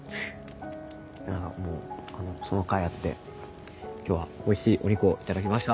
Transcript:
だからもうそのかいあって今日はおいしいお肉をいただきました。